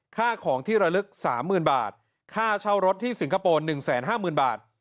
ค่าของที่ระลึก๓หมื่นบาทค่าเช่ารถที่สิงคโปรน๑แสน๕หมื่นบาท